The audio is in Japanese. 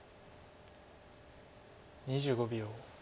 ２５秒。